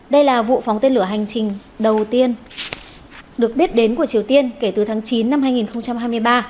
đây là vụ phóng tên lửa hành trình đầu tiên được biết đến của triều tiên kể từ tháng chín năm hai nghìn hai mươi ba